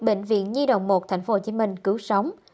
bệnh viện nhi đồng một tp hcm cứu sống